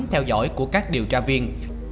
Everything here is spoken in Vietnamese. theo dõi của các điều tra viên